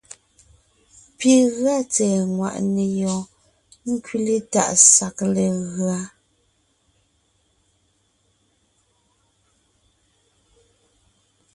Pi gʉa tsɛ̀ɛ ŋwàʼne yɔɔn ńkẅile tàʼ sag legʉa.